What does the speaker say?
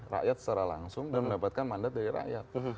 rakyat secara langsung dan mendapatkan mandat dari rakyat